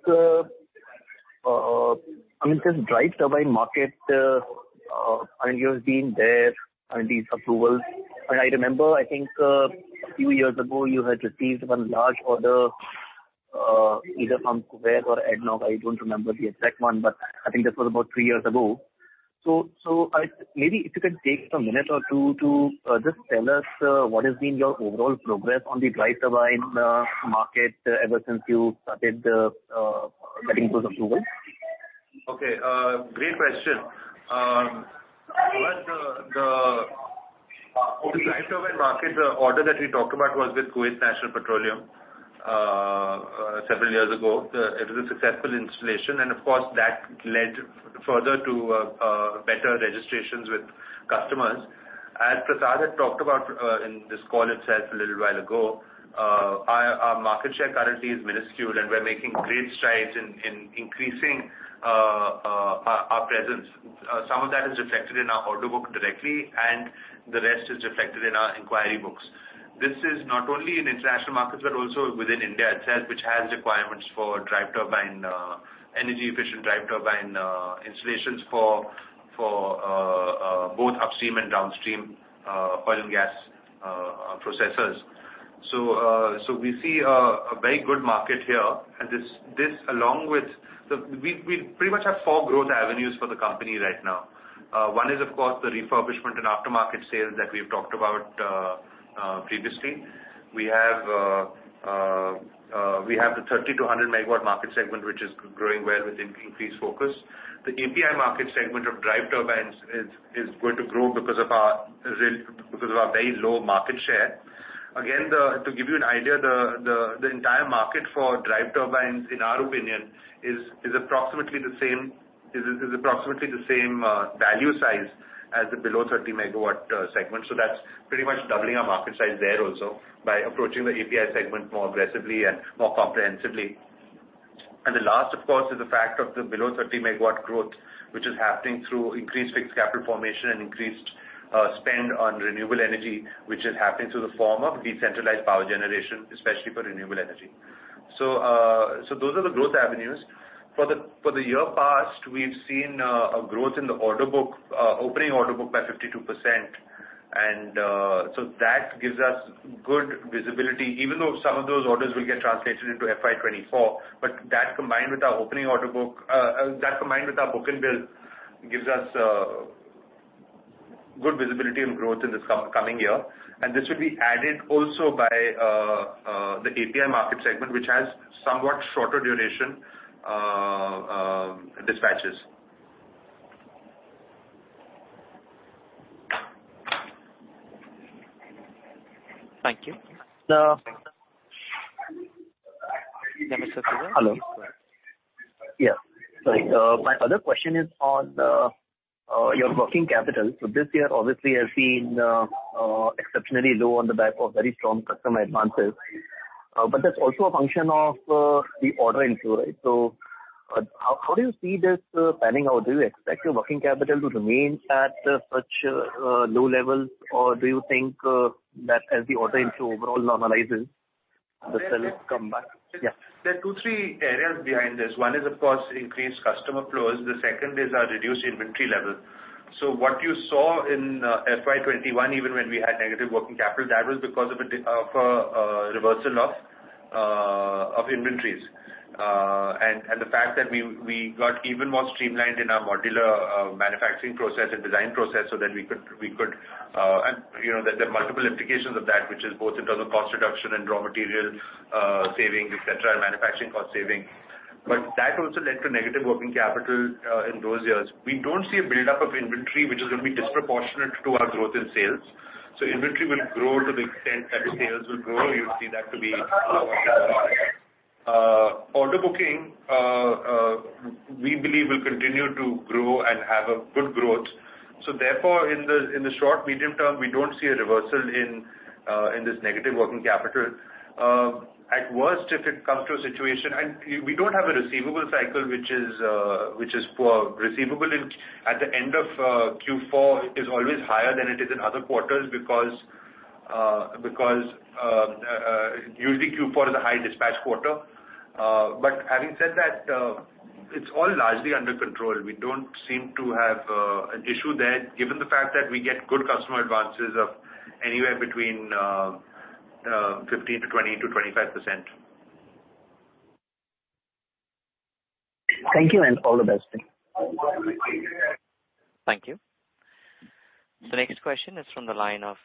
I mean, this drive turbine market, and you've been there and these approvals, and I remember, I think, a few years ago, you had received one large order, either from Kuwait or ADNOC. I don't remember the exact one, but I think this was about three years ago. Maybe if you can take a minute or two to just tell us what has been your overall progress on the drive turbine market ever since you started getting those approvals? Okay. Great question. First, the drive turbine market order that we talked about was with Kuwait National Petroleum Company several years ago. It was a successful installation, and of course, that led further to better registrations with customers. As Prasad had talked about in this call itself a little while ago, our market share currently is minuscule, and we're making great strides in increasing our presence. Some of that is reflected in our order book directly, and the rest is reflected in our inquiry books. This is not only in international markets, but also within India itself, which has requirements for drive turbine energy efficient drive turbine installations for both upstream and downstream oil and gas processors. We see a very good market here. This along with the. We pretty much have four growth avenues for the company right now. One is of course the refurbishment and aftermarket sales that we've talked about previously. We have the 30-100-megawatt market segment, which is growing well with increased focus. The API market segment of drive turbines is going to grow because of our very low market share. Again, to give you an idea, the entire market for drive turbines, in our opinion is approximately the same value size as the below 30-megawatt segment. That's pretty much doubling our market size there also by approaching the API segment more aggressively and more comprehensively. The last, of course, is the fact of the below 30-megawatt growth, which is happening through increased fixed capital formation and increased spend on renewable energy, which is happening through the form of decentralized power generation, especially for renewable energy. Those are the growth avenues. For the past year, we've seen a growth in the order book, opening order book by 52%. That gives us good visibility, even though some of those orders will get translated into FY 2024. That combined with our opening order book and build gives us good visibility on growth in this coming year. This will be added also by the API market segment, which has somewhat shorter duration dispatches. Thank you. Yeah, Mr. Hello. Yeah. Sorry. My other question is on your working capital. This year obviously has been exceptionally low on the back of very strong customer advances. That's also a function of the order inflow, right? How do you see this panning out? Do you expect your working capital to remain at such low levels, or do you think that as the order inflow overall normalizes, the sales come back? Yeah. There are two, three areas behind this. One is of course increased customer flows, the second is our reduced inventory level. What you saw in FY 2021, even when we had negative working capital, that was because of a reversal of inventories and the fact that we got even more streamlined in our modular manufacturing process and design process. You know that there are multiple implications of that, which is both in terms of cost reduction and raw material saving, etc., and manufacturing cost saving. That also led to negative working capital in those years. We don't see a buildup of inventory which is gonna be disproportionate to our growth in sales. Inventory will grow to the extent that sales will grow. You'll see that to be order booking we believe will continue to grow and have a good growth. Therefore, in the short, medium term, we don't see a reversal in this negative working capital. At worst, if it comes to a situation we don't have a receivables cycle which is poor. Receivables at the end of Q4 is always higher than it is in other quarters because usually Q4 is a high dispatch quarter. Having said that, it's all largely under control. We don't seem to have an issue there, given the fact that we get good customer advances of anywhere between 15%-20%-25%. Thank you, and all the best. Thank you. The next question is from the line of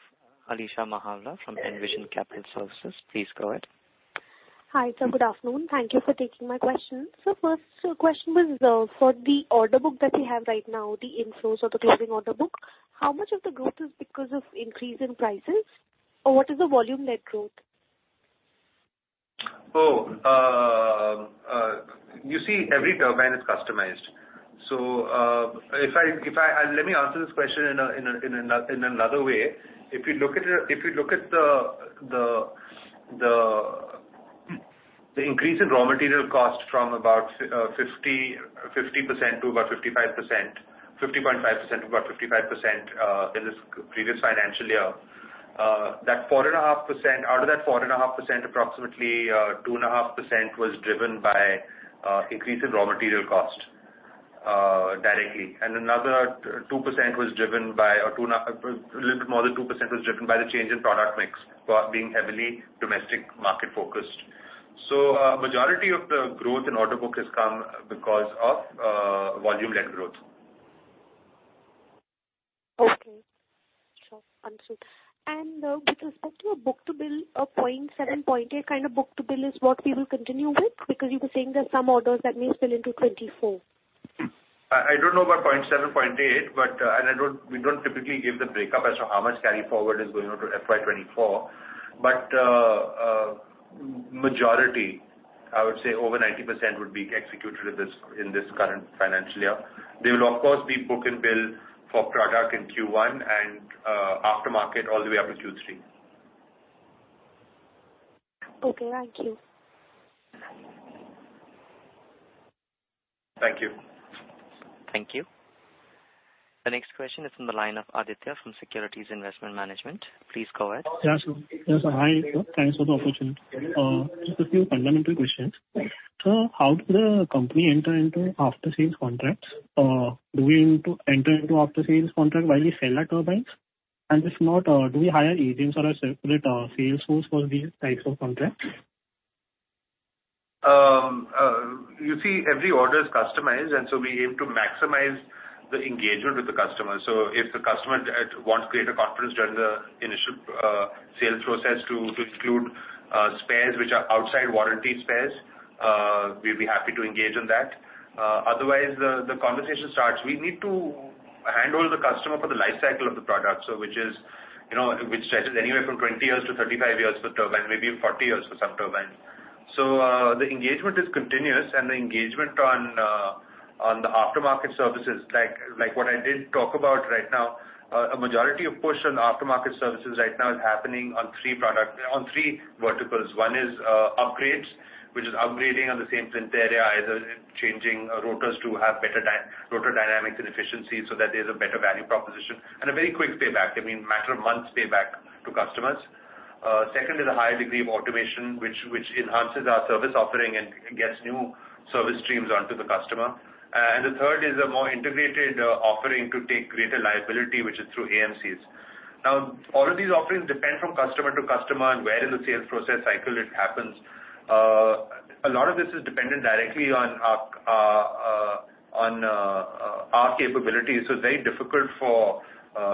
Alisha Mahawla from Envision Capital Services. Please go ahead. Hi, sir. Good afternoon. Thank you for taking my question. First question was, for the order book that you have right now, the inflows or the closing order book, how much of the growth is because of increase in prices or what is the volume led growth? You see every turbine is customized. Let me answer this question in another way. If you look at the increase in raw material cost from about 50.5% to about 55% in this previous financial year, that 4.5%, out of that 4.5%, approximately, 2.5% was driven by increase in raw material cost directly. Another 2% was driven by, or a little more than 2% was driven by the change in product mix, for being heavily domestic market focused. Majority of the growth in order book has come because of volume led growth. Okay. Sure. Understood. With respect to your book to bill, 0.7-0.8 kind of book-to-bill is what we will continue with, because you were saying there are some orders that may spill into 2024. I don't know about 0.7, 0.8, but we don't typically give the breakup as to how much carry forward is going on to FY 2024. Majority, I would say over 90% would be executed at this, in this current financial year. They will of course be book and bill for product in Q1 and aftermarket all the way up to Q3. Okay, thank you. Thank you. Thank you. The next question is from the line of Aditya from Securities Investment Management. Please go ahead. Yes, sir. Yes, sir. Hi, Nikhil. Thanks for the opportunity. Just a few fundamental questions. Right. How do the company enter into after sales contracts? Do we need to enter into after sales contract while we sell our turbines? If not, do we hire agents or a separate sales force for these types of contracts? You see every order is customized, and so we aim to maximize the engagement with the customer. If the customer wants greater confidence during the initial sales process to include spares which are outside warranty spares, we'd be happy to engage on that. Otherwise, the conversation starts. We need to handle the customer for the life cycle of the product. Which stretches anywhere from 20 years-35 years for turbine, maybe 40 years for some turbines. The engagement is continuous, and the engagement on the aftermarket services, like what I did talk about right now, a majority of push on aftermarket services right now is happening on three verticals. One is upgrades, which is upgrading on the same footprint, either changing rotors to have better rotor dynamics and efficiency so that there's a better value proposition. A very quick payback. I mean, a matter of months payback to customers. Second is a higher degree of automation, which enhances our service offering and gets new service streams onto the customer. The third is a more integrated offering to take greater liability, which is through AMCs. Now, all of these offerings differ from customer to customer and where in the sales process cycle it happens. A lot of this is dependent directly on our capabilities. It's very difficult for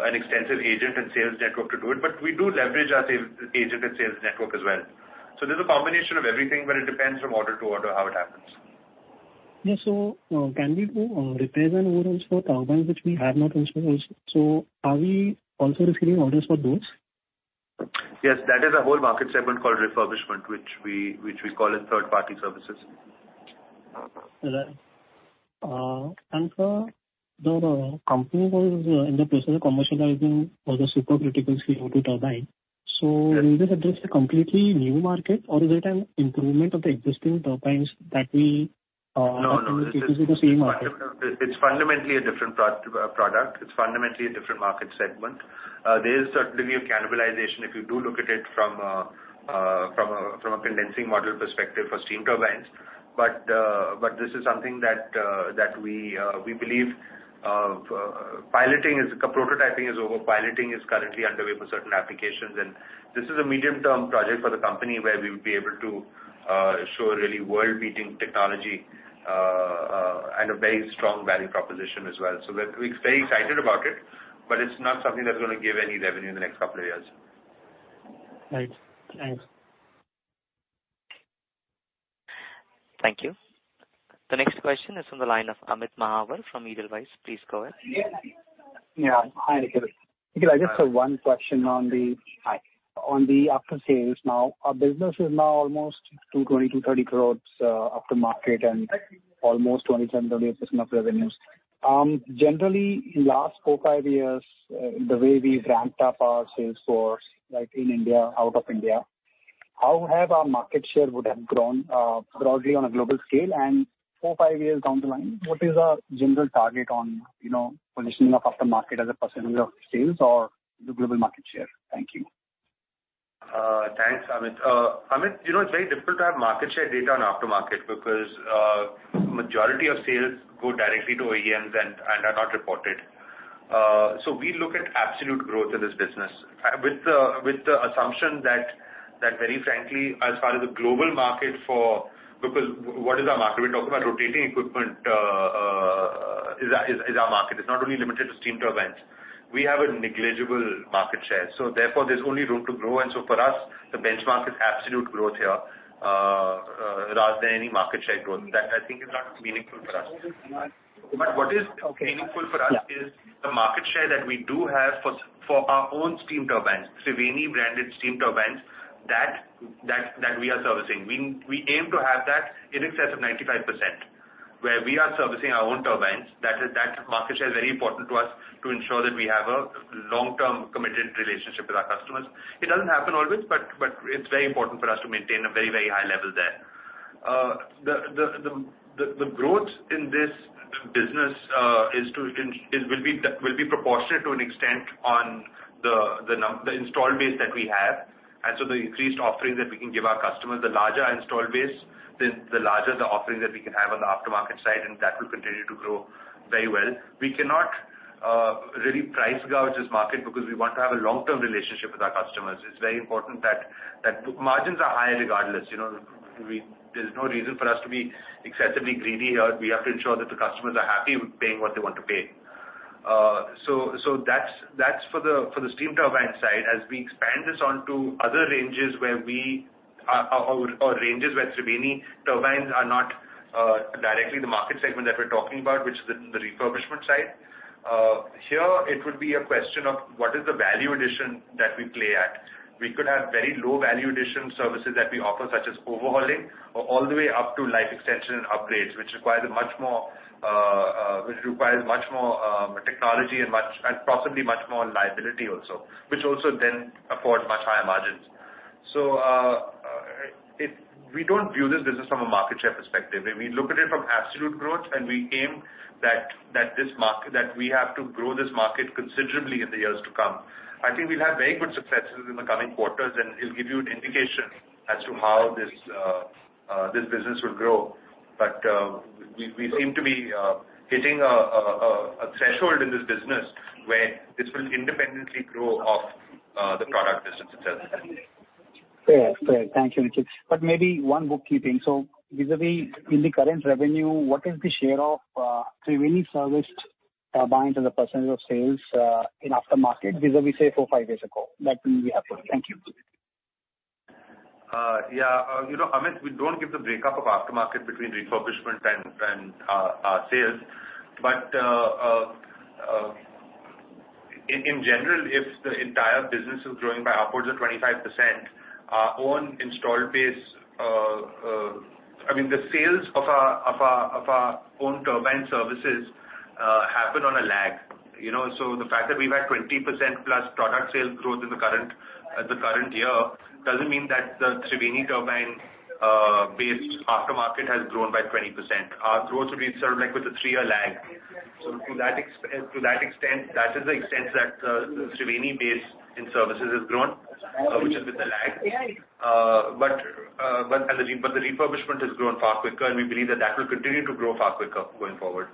an extensive agent and sales network to do it, but we do leverage our sales agent and sales network as well. There's a combination of everything, but it depends from order to order how it happens. Yeah. Can we do repairs and overhauls for turbines which we have not installed also? Are we also receiving orders for those? Yes. That is a whole market segment called refurbishment, which we call as third-party services. All right. The company was in the process of commercializing all the supercritical CO2 turbine. Yes. Will this address a completely new market or is it an improvement of the existing turbines that we? No, no. Typically see in the same market? It's fundamentally a different product. It's fundamentally a different market segment. There is certainly a cannibalization if you do look at it from a condensing model perspective for steam turbines. This is something that we believe prototyping is over. Piloting is currently underway for certain applications, and this is a medium-term project for the company where we would be able to show really world-beating technology and a very strong value proposition as well. We're very excited about it, but it's not something that's gonna give any revenue in the next couple of years. Right. Thanks. Thank you. The next question is from the line of Amit Mahawar from Edelweiss. Please go ahead. Yeah. Hi, Nikhil. Nikhil, I just have one question on the- Hi. On the aftermarket now. Our business is now almost 220-230 crores aftermarket and almost 27%-30% of revenues. Generally, in last 4-5 years, the way we've ramped up our sales force, like in India, out of India, how have our market share would have grown, broadly on a global scale? Four, five years down the line, what is our general target on, you know, positioning of aftermarket as a percentage of sales or the global market share? Thank you. Thanks, Amit. Amit, you know, it's very difficult to have market share data on aftermarket because majority of sales go directly to OEMs and are not reported. We look at absolute growth in this business. With the assumption that very frankly, as far as the global market. Because what is our market? We're talking about rotating equipment is our market. It's not only limited to steam turbines. We have a negligible market share, so therefore there's only room to grow. For us, the benchmark is absolute growth here rather than any market share growth. That, I think, is not meaningful for us. Okay. What is meaningful for us. Yeah. In the market share that we do have for our own steam turbines, Triveni branded steam turbines, that we are servicing. We aim to have that in excess of 95%. Where we are servicing our own turbines, that is, that market share is very important to us to ensure that we have a long-term committed relationship with our customers. It doesn't happen always, but it's very important for us to maintain a very high level there. The growth in this business, it will be proportionate to an extent on the installed base that we have, and so the increased offerings that we can give our customers. The larger installed base, the larger the offerings that we can have on the aftermarket side, and that will continue to grow very well. We cannot really price gouge this market because we want to have a long-term relationship with our customers. It's very important that margins are high regardless. You know, there's no reason for us to be excessively greedy here. We have to ensure that the customers are happy with paying what they want to pay. That's for the steam turbine side. As we expand this onto other ranges or ranges where Triveni turbines are not directly the market segment that we're talking about, which is in the refurbishment side. Here it would be a question of what is the value addition that we play at. We could have very low value addition services that we offer, such as overhauling or all the way up to life extension and upgrades, which requires much more technology and possibly much more liability also, which also then afford much higher margins. We don't view this business from a market share perspective, we look at it from absolute growth, and we aim that we have to grow this market considerably in the years to come. I think we'll have very good successes in the coming quarters, and it'll give you an indication as to how this business will grow. We seem to be hitting a threshold in this business where this will independently grow off the product business itself. Fair. Thank you, Nikhil. Maybe one bookkeeping. Vis-a-vis in the current revenue, what is the share of Triveni serviced turbines as a percentage of sales in aftermarket vis-a-vis say four, five years ago? That will be helpful. Thank you. Yeah. You know, Amit, we don't give the breakup of aftermarket between refurbishment and sales. In general, if the entire business is growing by upwards of 25%, our own installed base. I mean, the sales of our own turbine services happen on a lag, you know? The fact that we've had 20%+ product sales growth in the current year doesn't mean that the Triveni Turbine-based aftermarket has grown by 20%. Our growth will be sort of like with a three-year lag. To that extent, that is the extent that the Triveni-based services has grown, which is with the lag. The refurbishment has grown far quicker, and we believe that will continue to grow far quicker going forward.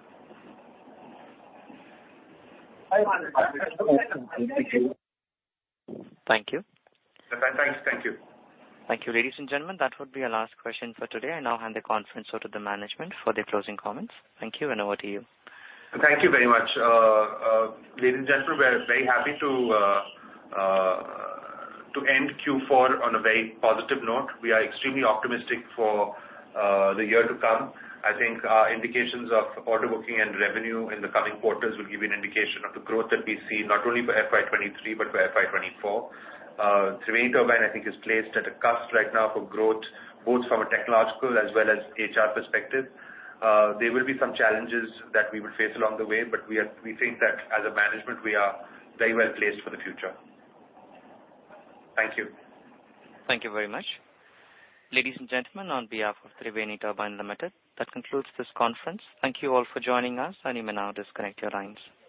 I understand. Thank you. Thank you. Thank you. Thank you. Ladies and gentlemen, that would be our last question for today. I now hand the conference over to the management for their closing comments. Thank you, and over to you. Thank you very much. Ladies and gentlemen, we're very happy to end Q4 on a very positive note. We are extremely optimistic for the year to come. I think indications of order booking and revenue in the coming quarters will give you an indication of the growth that we see, not only for FY 2023, but for FY 2024. Triveni Turbine, I think is placed at a cusp right now for growth, both from a technological as well as HR perspective. There will be some challenges that we will face along the way, but we think that as a management, we are very well placed for the future. Thank you. Thank you very much. Ladies and gentlemen, on behalf of Triveni Turbine Limited, that concludes this conference. Thank you all for joining us, and you may now disconnect your lines.